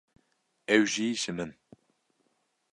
ew jî ji min.